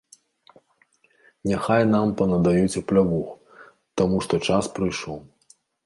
Няхай нам панадаюць аплявух, таму што час прыйшоў.